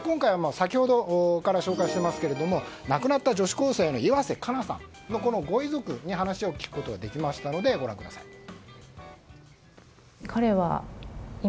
先ほどから紹介していますが亡くなった女子高生の岩瀬加奈さんのご遺族に話を聞くことができましたのでご覧ください。